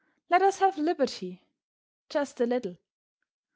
Let us have liberty just a little.